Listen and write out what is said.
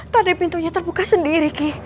pada pintunya terbuka sendiri ki